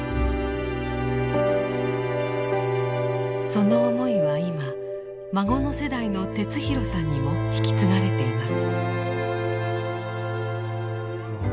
その思いは今孫の世代の哲弘さんにも引き継がれています。